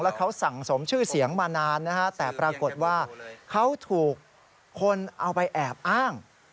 เขาสั่งสมชื่อเสียงมานานนะฮะแต่ปรากฏว่าเขาถูกคนเอาไปแอบอ้าง